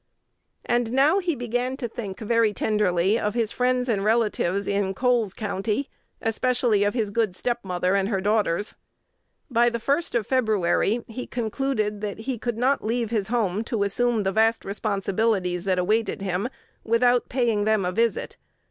And now he began to think very tenderly of his friends and relatives in Coles County, especially of his good stepmother and her daughters. By the first of February, he concluded that he could not leave his home to assume the vast responsibilities that awaited him without paying them a visit.